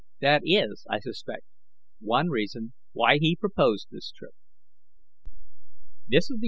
That is, I suspect, one reason why he proposed this trip." CHAPTER VII.